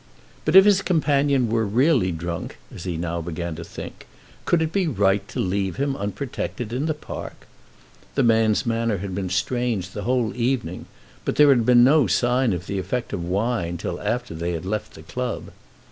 But if his companion were really drunk, as he now began to think, could it be right to leave him unprotected in the park? The man's manner had been strange the whole evening, but there had been no sign of the effect of wine till after they had left the club.